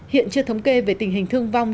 hiện chưa thống kê về tình hình thương vong